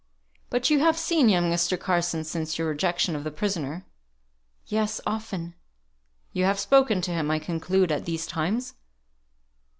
"But you have seen young Mr. Carson since your rejection of the prisoner?" "Yes, often." "You have spoken to him, I conclude, at these times."